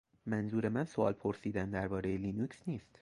منظور من سؤال پرسیدن دربارهٔ لینوکس نیست